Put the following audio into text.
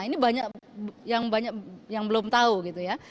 ini banyak yang belum tahu gitu ya